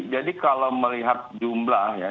jadi kalau melihat jumlah ya